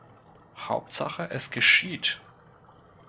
Hauptsache, es geschieht!